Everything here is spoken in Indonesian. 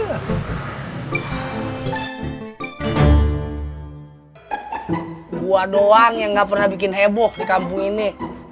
gua doang yang gak pernah bikin heboh di kampung ini